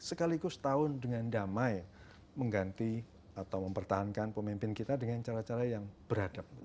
sekaligus tahun dengan damai mengganti atau mempertahankan pemimpin kita dengan cara cara yang beradab